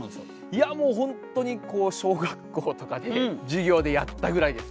いやもう本当に小学校とかで授業でやったぐらいです。